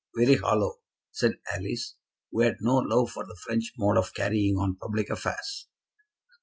"Very hollow," said Alice, who had no love for the French mode of carrying on public affairs.